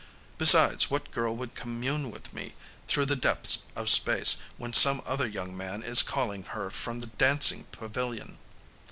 "Besides, what girl would commune with me through the depths of space when some other young man is calling her from the dancing pavilion?